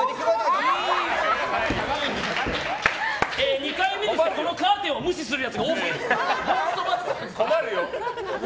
２回目ですとこのカーテンを無視するやつが多すぎる。